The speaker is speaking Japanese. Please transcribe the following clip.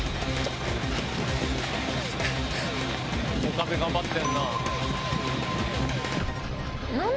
岡部頑張ってんな。